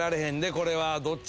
これはどっちや？